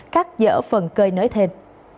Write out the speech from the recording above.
cắt dỡ phần cơi nới thêm